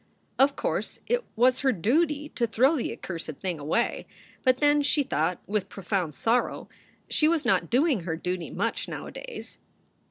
Of course it was her duty to throw the accursed thing away ; but then, she thought with profound sorrow, she was not doing her duty much nowadays.